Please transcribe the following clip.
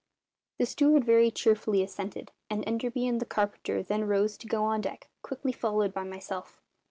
The steward very cheerfully assented, and Enderby and the carpenter then rose to go on deck, quickly followed by myself.